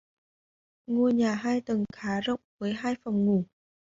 Ngôi nhà hai tầng khá rộng với Hai Phòng ngủ